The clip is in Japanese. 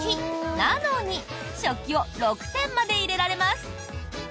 なのに食器を６点まで入れられます！